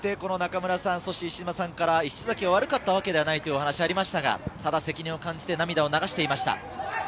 決して石崎が悪かったわけではないと話がありましたが、責任を感じて涙を流していました。